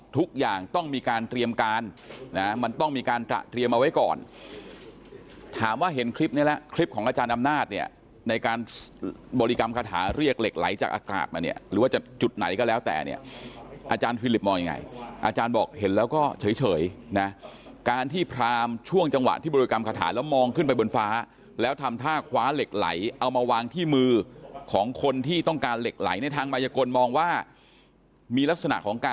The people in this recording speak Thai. ทุกอย่างต้องมีการเตรียมการนะมันต้องมีการเตรียมเอาไว้ก่อนถามว่าเห็นคลิปนี้แล้วคลิปของอาจารย์อำนาจเนี่ยในการบริกรรมคาถาเรียกเหล็กไหลจากอากาศมาเนี่ยหรือว่าจะจุดไหนก็แล้วแต่เนี่ยอาจารย์ฟิลิปมองยังไงอาจารย์บอกเห็นแล้วก็เฉยนะการที่พรามช่วงจังหวะที่บริกรรมคาถาแล้วมอง